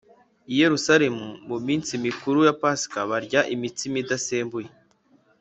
i Yerusalemu mu minsi mikuru ya pasika barya imitsima idasembuye